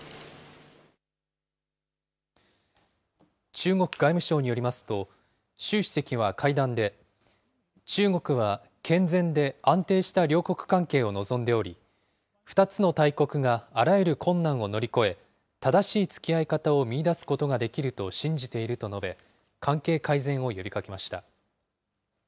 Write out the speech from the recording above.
中国外務省によりますと、習主席は会談で、中国は健全で安定した両国関係を望んでおり、２つの大国があらゆる困難を乗り越え、正しいつきあい方を見いだすことができると信じていると述べ、関係改善を呼びかけました。